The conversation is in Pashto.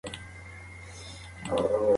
ایا تاسي په ورځ کې یو ځل مېوه خورئ؟